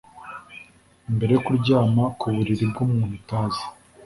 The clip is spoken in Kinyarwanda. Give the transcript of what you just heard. mbere yo kuryama ku buriri bw'umuntu utazi